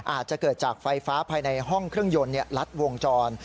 อาจจะเกิดจากไฟฟ้าภายในห้องเครื่องยนต์ลัดวงจร